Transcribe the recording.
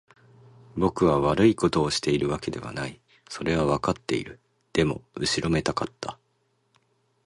僕は悪いことをしているわけではない。それはわかっている。でも、後ろめたかった。